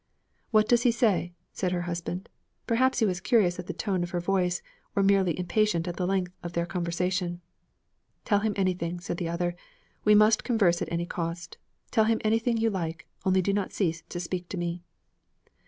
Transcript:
"' 'What does he say?' said her husband. Perhaps he was curious at the tone of her voice; or merely impatient at the length of their conversation. 'Tell him anything,' said the other, 'We must converse at any cost. Tell him anything you like; only do not cease to speak to me.'